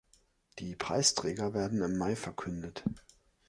Die Preisträger werden im Mai verkündet.